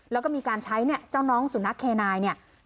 แล้วก็มีการใช้เจ้าน้องสุนัขแครนาย